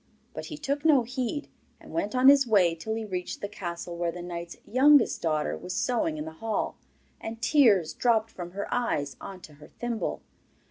But he took no heed, and went on his way till he reached the castle where the knight's youngest daughter was sewing in the hall. And tears dropped from her eyes on to her thimble.